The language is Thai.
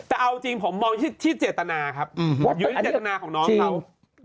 แต่เอาจริงผมมองที่เจตนาครับเจตนาของน้องเขา